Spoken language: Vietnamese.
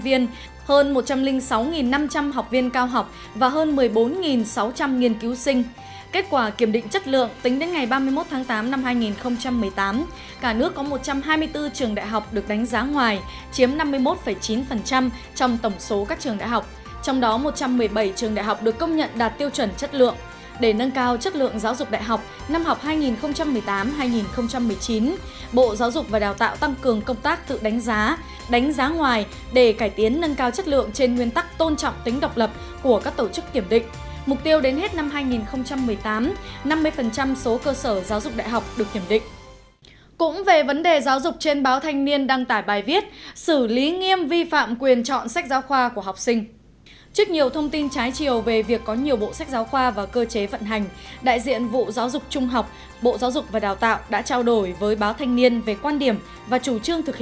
để nâng cao chất lượng giáo dục đại học năm học hai nghìn một mươi tám hai nghìn một mươi chín bộ giáo dục và đào tạo tăng cường công tác tự đánh giá đánh giá ngoài để cải tiến nâng cao chất lượng trên nguyên tắc tôn trọng tính độc lập của các tổ chức kiểm định